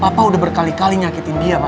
papa udah berkali kali nyakitin dia